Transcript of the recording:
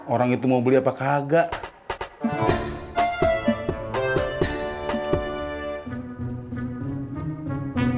orang itu mau beli apa kagak